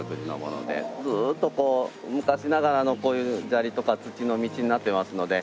ずっとこう昔ながらのこういう砂利とか土の道になってますので。